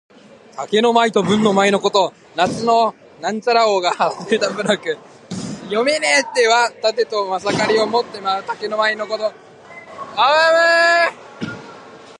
武の舞と文の舞のこと。夏の禹王が始めた舞楽。「干戚」はたてとまさかりを持って舞う、武の舞のこと。「羽旄」は雉の羽と旄牛の尾で作った飾りを持って舞う、文の舞の意。